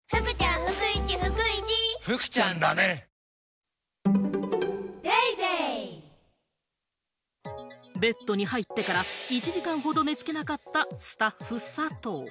俺がこの役だったのにベッドに入ってから１時間ほど寝付けなかったスタッフ・佐藤。